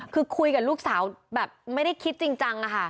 คือคุยกับลูกสาวแบบไม่ได้คิดจริงจังอะค่ะ